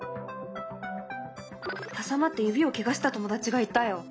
挟まって指をケガした友達がいたよ。